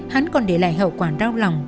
hắn còn để lại hậu quả đau lòng